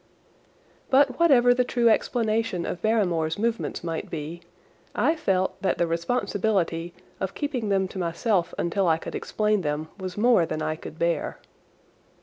But whatever the true explanation of Barrymore's movements might be, I felt that the responsibility of keeping them to myself until I could explain them was more than I could bear.